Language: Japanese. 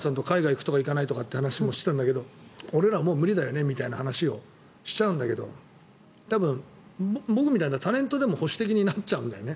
今もＣＭ中も玉川さんと海外行くとか行かないとかって話してたんだけど俺らはもう無理だよねという話をしちゃうんだけど多分、僕みたいなタレントでも保守的になっちゃうんだよね。